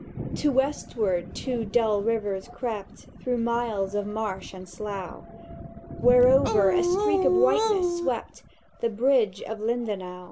"To westward two dull rivers crept Through miles of marsh and slough, Whereover a streak of whiteness swept— The Bridge of Lindenau.